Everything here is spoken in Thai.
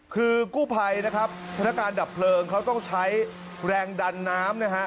คือกู้ภัยนะครับพนักการดับเพลิงเขาต้องใช้แรงดันน้ำนะฮะ